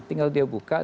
tinggal dia buka